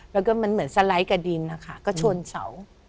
แล้วก็มันเหมือนสไลด์กับดินนะคะก็ชนเสา